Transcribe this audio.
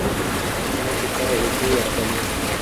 ځمکې ته اوبه ورغلې.